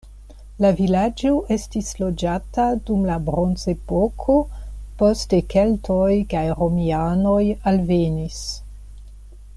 La vilaĝo estis loĝata dum la bronzepoko, poste keltoj kaj romianoj alvenis.